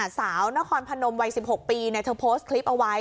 สาวนครพนมวัย๑๖ปีเธอโพสต์คลิปเอาไว้